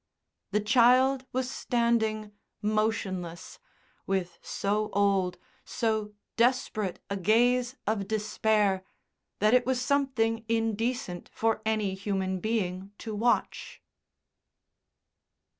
The child was standing, motionless, with so old, so desperate a gaze of despair that it was something indecent for any human being to watch.